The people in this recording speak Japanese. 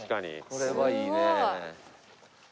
これはいいね。